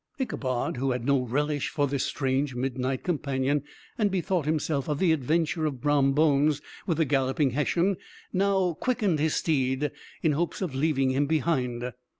Ichabod, who had no relish for this strange midnight companion, and bethought himself of the adventure of Brom Bones with the galloping Hessian, now quickened his steed, in hopes of leaving him behind.